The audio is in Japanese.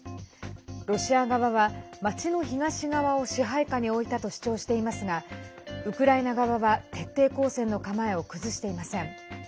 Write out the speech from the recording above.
ロシア側は町の東側を支配下に置いたと主張していますがウクライナ側は徹底抗戦の構えを崩していません。